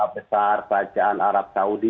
besar kerajaan arab saudi